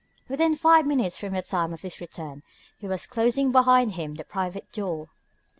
Within five minutes from the time of his return he was closing behind him the private door.